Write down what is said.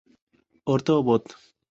Orto Bot.